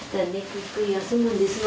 ゆっくり休むんですよ。